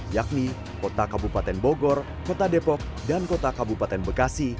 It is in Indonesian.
yakni kota kabupaten bogor kota depok dan kota kabupaten bekasi